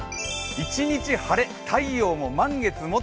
一日晴れ、太陽も満月も。